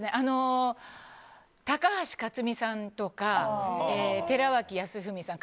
高橋克実さんとか寺脇康文さん。